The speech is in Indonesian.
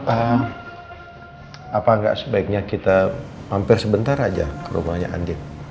apa enggak sebaiknya kita mampir sebentar aja ke rumahnya anjing